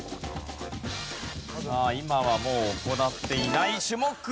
さあ今はもう行っていない種目。